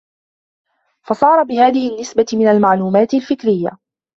فَصَارَ بِهَذِهِ النِّسْبَةِ مِنْ الْمَعْلُومَاتِ الْفِكْرِيَّةِ